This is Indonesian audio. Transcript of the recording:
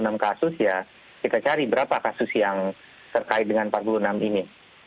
itu kebetulan kita cari berapa kasus yang terkait dengan empat puluh enam ini